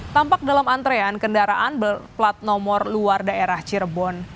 tampak dalam antrean kendaraan berplat nomor luar daerah cirebon